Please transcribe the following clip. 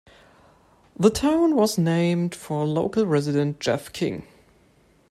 The town was named for local resident, Jeff King.